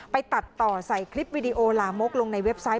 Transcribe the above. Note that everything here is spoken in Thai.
ไปตัดต่อใส่คลิปวิดีโอลามกลงในเว็บไซต์